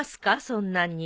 そんなに。